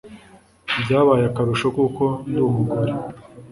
Byabaye akarusho kuko ndi umugore